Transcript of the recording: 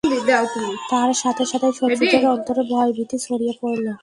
আর সাথে সাথেই শত্রুদের অন্তরে ভয়-ভীতি ছড়িয়ে পড়ল।